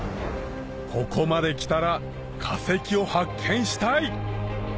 ここまで来たら化石を発見したい！